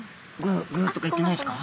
「ググ」とか言ってないですか？